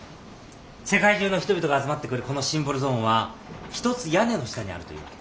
世界中の人々が集まってくるこのシンボルゾーンはひとつ屋根の下にあるというわけ。